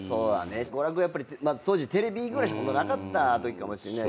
娯楽当時テレビぐらいしかなかったときかもしれない。